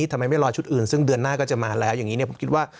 ทำไมไม่รอชุดอื่นซึ่งเดือนหน้าก็จะมาแล้วอย่างนี้ผมคิดว่า